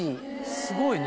すごいね。